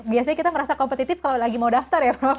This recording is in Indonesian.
biasanya kita merasa kompetitif kalau lagi mau daftar